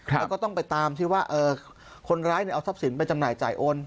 แล้วก็ต้องไปตามที่ว่าคนร้ายเอาทรัพย์สินไปจำหน่ายจ่ายโอน